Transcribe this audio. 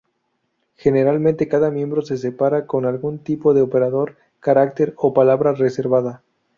Generalmente, cada miembro se separa con algún tipo de operador, carácter o palabra reservada.